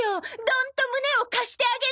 どんと胸を貸してあげるわ。